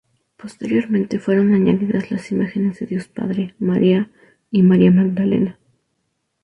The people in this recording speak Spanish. Posteriormente fueron añadidas las imágenes de Dios Padre, María y María Magdalena.